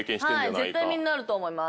絶対みんなあると思います。